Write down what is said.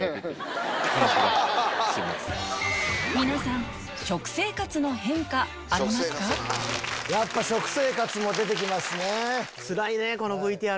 皆さんやっぱ食生活も出てきますね。